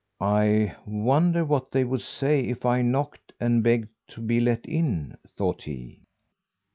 "I wonder what they would say if I knocked and begged to be let in," thought he.